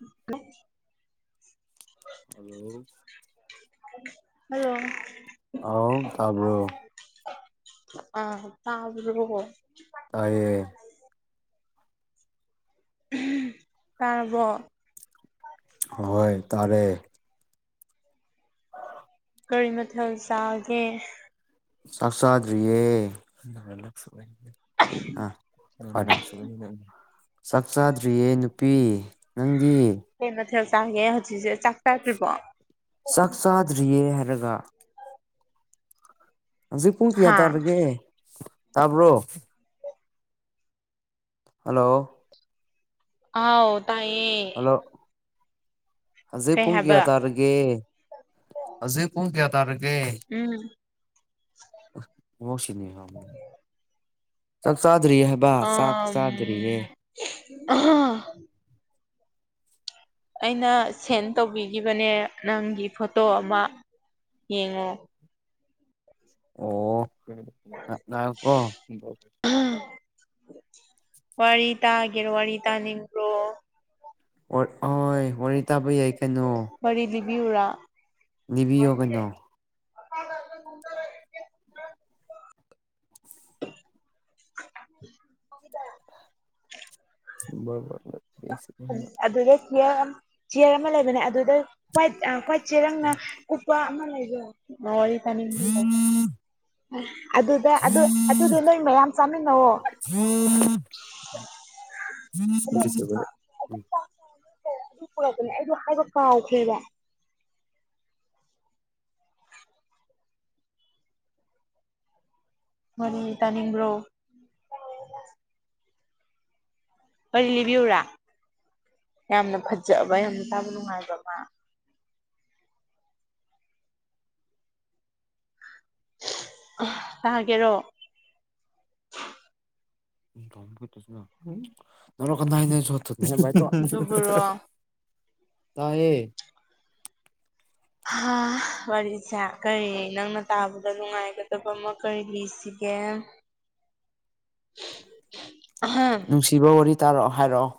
ꯎꯟ ꯒꯨꯠ hello hello ꯑꯥꯎꯝ ꯇꯥꯕ꯭ꯔꯣ ꯑ ꯇꯥꯔꯕꯣ ꯅꯣꯏꯕꯣ ꯇꯌꯦ ꯇꯥꯔꯕꯣ ꯍꯣꯏ ꯇꯥꯔꯦ ꯑ ꯀꯔꯤ ꯃꯊꯦꯜ ꯆꯥꯒꯦ ꯆꯥꯛ ꯆꯥꯗ꯭ꯔꯤꯌꯦ ꯑ ꯑ ꯆꯥꯛ ꯆꯥꯗ꯭ꯔꯤꯌꯦ ꯅꯨꯄꯤ ꯅꯪꯗꯤ ꯀꯩ ꯃꯊꯦꯜ ꯆꯥꯒꯦ ꯍꯧꯖꯤꯛꯁꯦ ꯆꯥꯛ ꯆꯥꯗ꯭ꯔꯤꯕꯣ ꯆꯥꯛ ꯆꯥꯗ꯭ꯔꯤꯌꯦ ꯍꯥꯏꯔꯒ ꯍꯧꯖꯤꯛ ꯄꯨꯡ ꯀꯌꯥ ꯍꯥ ꯇꯥꯔꯒꯦ ꯇꯥꯕ꯭ꯔꯣ ꯍꯜꯂꯣ ꯑꯥꯎ ꯇꯥꯏꯌꯦ ꯍꯧꯖꯤꯦ ꯀꯩ ꯄꯨꯡ ꯍꯥꯏꯕ ꯀꯌꯥ ꯇꯥꯔꯒ ꯑꯦ ꯍꯧꯖꯤꯛ ꯄꯨꯡ ꯀꯌꯥ ꯇꯥꯔꯒꯦ ꯎꯝ ꯃꯣꯁꯤꯅꯤ ꯆꯥꯛ ꯆꯥꯗꯔꯤꯌꯦ ꯍꯥꯏꯕ ꯆꯥꯛ ꯆꯥꯗꯔꯤꯌꯦ ꯑ ꯑꯩꯅ ꯁꯦꯟ ꯇꯧꯕꯤꯈꯤꯕꯅꯦ ꯅꯪꯒꯤ ꯐꯣꯇꯣ ꯑꯃ ꯌꯦꯡꯉꯣ ꯑꯣ ꯉꯀꯣ ꯋꯥꯔꯤꯇꯥ ꯍꯥꯏꯒꯦꯔꯣ ꯋꯥꯔꯤꯇꯥꯅꯤ ꯍꯣꯏ ꯋꯥꯔꯤ ꯇꯥꯕ ꯌꯥꯏ ꯀꯩꯅꯣ ꯋꯥꯔꯤꯔꯤ ꯂꯤꯕꯤꯌꯨꯔꯥ ꯅꯤꯕꯤꯌꯣꯒꯅꯣ ꯑ ꯑꯗꯨꯒꯨꯝꯗꯔꯦ [unintelligible] ꯔ ꯑꯗꯨꯗ ꯆꯤꯌꯔ ꯑꯃ ꯆꯤꯌꯔ ꯑꯃ ꯂꯩꯕꯅꯦ ꯑꯗꯨꯗ ꯍ꯭ꯋꯥꯏꯠ ꯍ꯭ꯋꯥꯏꯠ ꯁꯦꯔꯪꯅ ꯀꯨꯞꯄꯥ ꯑꯃ ꯂꯩꯕꯔ‌ꯣ ꯋꯥꯔꯤ ꯇꯥꯅꯤꯡ ꯑꯗꯨꯗ ꯑꯗꯨ ꯑꯗꯨꯗ‌ꯣ ꯅꯣꯏ ꯃꯌꯥꯝ ꯆꯥꯃꯤꯟꯅꯧꯑꯣ ꯑꯗꯨ [unintelligible] [unintelligible] ꯑꯗꯨ ꯄꯨꯔꯛꯄꯅꯦ ꯑꯩꯗ‌ꯣ ꯍꯥꯏꯕ ꯀꯥꯎꯈꯔ‌ꯦꯕ ꯋꯥꯔꯤ ꯇꯥꯅꯤꯡꯕ꯭ꯔꯣ ꯋꯥꯔꯤ ꯂꯤꯕꯤꯌꯨꯔꯥ ꯌꯥꯝꯅ ꯐꯖꯕ ꯌꯥꯝꯅ ꯇꯥꯕ ꯅꯨꯡꯉꯥꯏꯕ ꯑꯃ ꯇꯥꯒ‌ꯦꯔꯣ ꯑꯗꯨꯕꯨꯔꯣ [unintelligible] ꯇꯥꯏꯌꯦ ꯋꯥꯔꯤꯁꯦ ꯀꯔꯤ ꯅꯪꯅ ꯇꯥꯕꯗ ꯅꯨꯡꯉꯥꯏꯒꯗꯕ ꯑꯃ ꯀꯔꯤ ꯂꯤꯁꯤꯒꯦ [inaudible] [unintelligible] ꯅꯨꯡꯁꯤꯕ ꯋꯥꯔꯤ ꯇꯥꯔꯛꯑꯣ ꯍꯥꯏꯔꯛꯑꯣ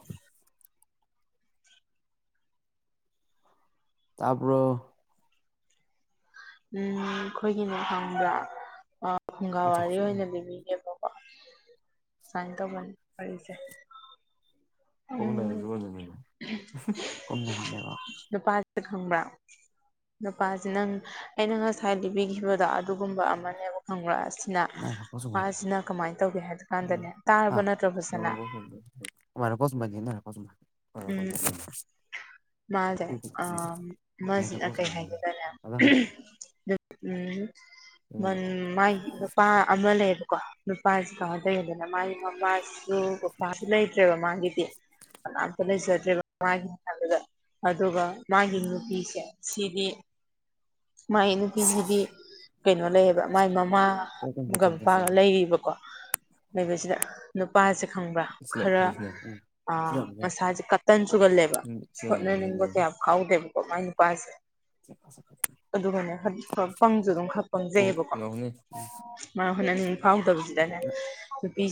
ꯇꯥꯕꯔ‌ꯣ ꯎꯝ ꯑꯩꯈꯣꯏꯒꯤꯅꯦ ꯈꯪꯕ꯭ꯔꯥ ꯑꯥ ꯐꯨꯡꯒꯥ ꯋꯥꯔꯤ ꯊꯧꯊꯣꯛ ꯑꯣꯏꯅ ꯂꯤꯕꯤꯒꯦꯕ ꯁꯨꯃꯥꯏꯅ ꯇꯧꯕꯅꯤ ꯋꯥꯔꯤꯁꯦ ꯎꯝ [unintelligible] ꯁ ꯈꯪꯕ꯭ꯔ ꯅꯨꯄꯥꯁ‌ꯦ ꯅꯪ ꯑꯩꯅ ꯉꯁꯥꯏ ꯂꯤꯕꯤꯈꯤꯕꯗꯣ ꯑꯗꯨꯒꯨꯝꯕ ꯑꯃꯅꯦꯕ ꯈꯪꯕꯔꯥ ꯅ ꯃꯥꯁꯤꯅ ꯀꯃꯥꯏꯅ ꯇꯧꯒꯦ ꯍꯥꯏꯕ ꯀꯥꯟꯗꯅꯦ ꯇꯥꯔꯕ ꯅꯠꯇ꯭ꯔ‌ꯣ ꯐꯖꯅ [unintelligible] ꯎꯝ [unintelligible] ꯃꯥꯁꯦ ꯑ ꯃꯁꯤꯅ ꯀꯩ ꯍꯥꯏꯒ‌ꯦꯗꯅ‌ꯦ ꯎꯝ ꯃ ꯃꯥꯏ ꯅꯨꯄꯥ ꯑꯃ ꯂꯩꯌꯦꯕꯀꯣ ꯅꯨꯄꯥꯁꯤ ꯀꯃꯥꯏ‌ ꯇꯧꯒ‌ꯦꯗꯅ‌ꯦ ꯃꯥꯒꯤ ꯃꯃꯥꯁꯤ ꯗ‌ꯣ ꯄꯄꯥꯁꯨ ꯂꯩꯇꯔ‌ꯦꯕ ꯃꯥꯒꯤꯗꯤ ꯂꯩꯖꯗ꯭ꯔꯦꯕ ꯃꯥꯒꯤꯅꯤ ꯍꯥꯏꯕꯗ ꯑꯗꯨꯒ ꯃꯥꯒꯤ ꯅꯨꯄꯤꯁꯦ ꯁꯤꯗꯤ ꯃꯥꯏ ꯅꯨꯄꯤꯁꯤꯗꯤ ꯀꯩꯅꯣ ꯂꯩꯌꯦꯕ ꯃꯥꯏ ꯃꯃꯥꯒ ꯃꯄꯥꯒ ꯂꯩꯔꯤꯕꯀꯣ ꯂꯩꯕꯁꯤꯗ ꯅꯨꯄꯥꯁꯦ ꯈꯪꯕ꯭ꯔꯥ ꯈꯔ ꯑ ꯃꯁꯥꯁꯦ ꯀꯇꯟ ꯆꯨꯒꯜꯂꯦꯕ ꯍ‌ꯣꯠꯅꯅꯤꯡꯕ ꯀꯌꯥ ꯐꯥꯎꯗꯦꯕꯀꯣ ꯃꯥꯏ ꯅꯨꯄꯥꯁꯦ ꯑꯗꯨꯒꯅꯦ ꯄꯪꯁꯨ ꯑꯗꯨꯝ ꯈꯔ ꯄꯪꯖꯩꯌꯦꯕꯀꯣ ꯃꯥꯅ ꯍꯣꯠꯅꯅꯤꯡꯕ ꯐꯥꯎꯗꯕꯁꯤꯗꯅꯦ ꯅꯨꯄꯤ